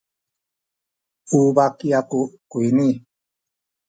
u baki aku kuyni.